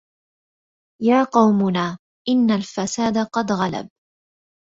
يا قومنا إن الفساد قد غلب